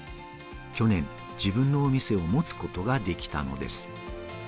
去年、自分のお店を持つことができたのです。